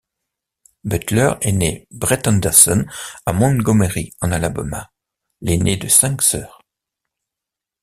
Butler est né Brett Anderson à Montgomery, en Alabama, l'aîné de cinq soeurs.